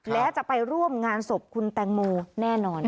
และจะไปร่วมงานศพคุณแตงโมแน่นอน